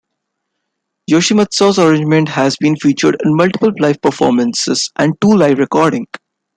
Yoshimatsu's arrangement has been featured in multiple live performances and two live recordings.